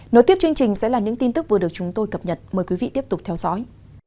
nối tiếp chương trình sẽ là những tin tức vừa được chúng tôi cập nhật mời quý vị tiếp tục theo dõi